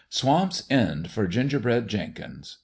Swamp's End for Gingerbread Jenkins